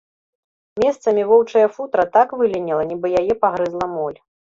Месцамі воўчая футра так выліняла, нібы яе пагрызла моль.